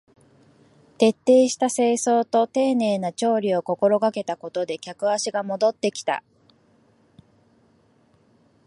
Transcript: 徹底した清掃と丁寧な調理を心がけたことで客足が戻ってきた